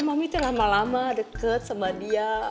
mami teh lama lama deket sama dia